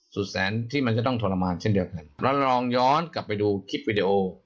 สุดแสนที่มันจะต้องทรมานเช่นเดียวกันแล้วลองย้อนกลับไปดูคลิปวิดีโอ